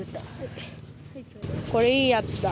これいいやつだ。